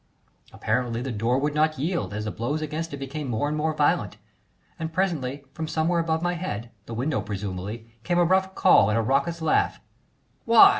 Apparently the door would not yield, as the blows against it became more and more violent, and presently, from somewhere above my head the window presumably there came a rough call and a raucous laugh: "Why!